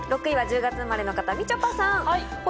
６位は１０月生まれの方、みちょぱさん。